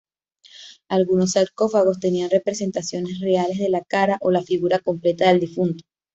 Algunos sarcófagos tenían representaciones reales de la cara o la figura completa del difunto.